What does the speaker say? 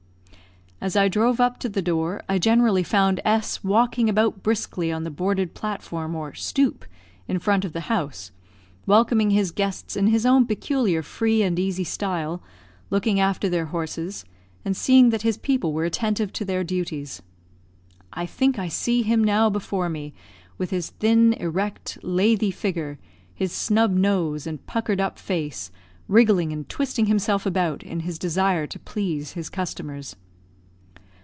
As I drove up to the door, I generally found S walking about briskly on the boarded platform, or "stoop," in front of the house, welcoming his guests in his own peculiar free and easy style, looking after their horses, and seeing that his people were attentive to their duties. I think I see him now before me with his thin, erect, lathy figure, his snub nose, and puckered up face, wriggling and twisting himself about, in his desire to please his customers.